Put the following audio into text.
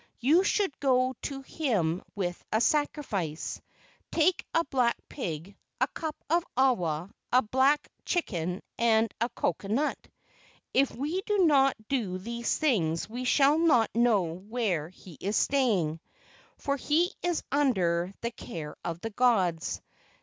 You should go to him with a sacrifice. Take a black pig, a cup of awa, a black chicken, and a coco¬ nut. If we do not do these things we shall not know where he is staying, for he is under the care of the gods.